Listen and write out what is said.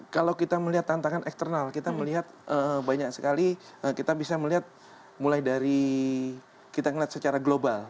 kalau kita melihat tantangan eksternal kita melihat banyak sekali kita bisa melihat mulai dari kita melihat secara global